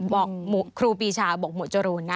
ครูปีชาบอกหมวดจรูนนะ